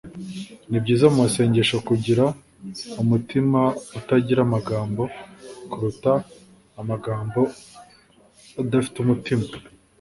ni byiza mu masengesho kugira umutima utagira amagambo kuruta amagambo adafite umutima